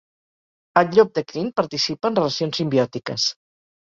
El llop de crin participa en relacions simbiòtiques.